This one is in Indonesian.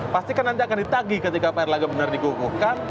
pastikan nanti akan ditagi ketika pak erlangga benar dikukuhkan